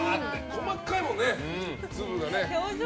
細かいもんね、粒が。